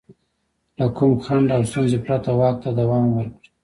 له کوم خنډ او ستونزې پرته واک ته دوام ورکړي.